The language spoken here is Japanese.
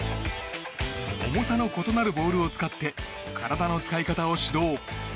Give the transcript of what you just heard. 重さの異なるボールを使って体の使い方を指導。